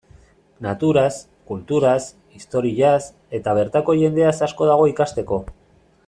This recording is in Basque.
Naturaz, kulturaz, historiaz, eta bertako jendeaz asko dago ikasteko.